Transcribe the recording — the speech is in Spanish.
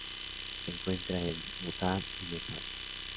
Se encuentra en Bután y Nepal.